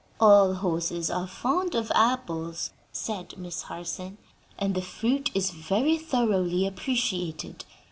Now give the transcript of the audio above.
"All horses are fond of apples," said Miss Harson, "and the fruit is very thoroughly appreciated.